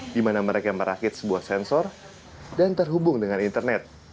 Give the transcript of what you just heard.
di mana mereka merakit sebuah sensor dan terhubung dengan internet